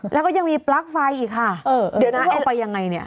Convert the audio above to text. แล้วก็ยังมีปลั๊กไฟอีกค่ะเข้าไปยังไงเนี่ย